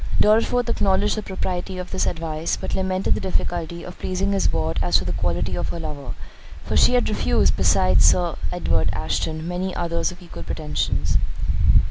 Dorriforth acknowledged the propriety of this advice, but lamented the difficulty of pleasing his ward as to the quality of her lover; for she had refused, besides Sir Edward Ashton, many others of equal pretensions.